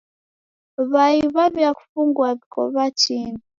W'ai w'aw'iakufungua w'iko w'atini.